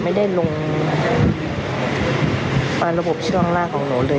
ไม่ได้ลงฟันระบบช่วงล่างของหนูเลย